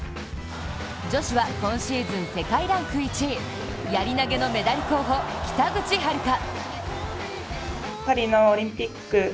女子は今シーズン世界ランク１位、やり投げのメダル候補・北口榛花。